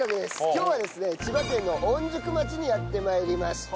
今日はですね千葉県の御宿町にやって参りました。